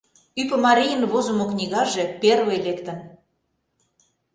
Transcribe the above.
Ӱпымарийын возымо книгаже первый лектын.